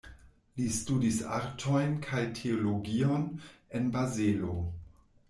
Li studis artojn kaj teologion en Bazelo.